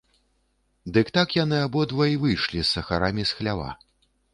Дык так яны абодва й выйшлі з сахарамі з хлява.